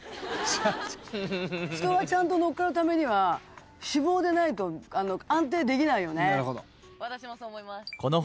人がちゃんと乗っかるためには脂肪でないと安定できないよね。